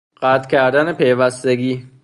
قطع کردن پیوستگی